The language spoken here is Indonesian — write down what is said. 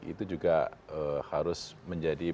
itu juga harus menjadi